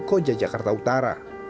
koja jakarta utara